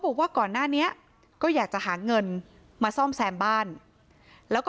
บอกว่าก่อนหน้านี้ก็อยากจะหาเงินมาซ่อมแซมบ้านแล้วก็